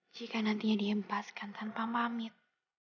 jika nantinya diempaskan tanpa pamit